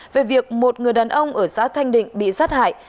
về việc một người đàn ông ở xã thanh định bị sát hại